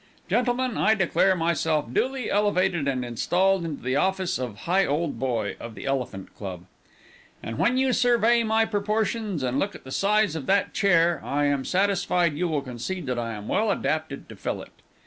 Gentlemen, I declare myself duly elevated and installed into the office of Higholdboy of the Elephant Club, and when you survey my proportions, and look at the size of that chair, I am satisfied you will concede that I am well adapted to fill it.